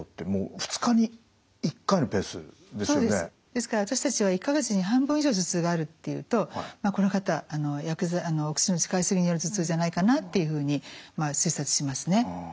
ですから私たちは１か月に半分以上頭痛があるっていうとこの方お薬の使いすぎによる頭痛じゃないかなっていうふうにまあ推察しますね。